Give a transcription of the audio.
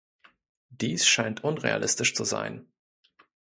Dies scheint unrealistisch zu sein.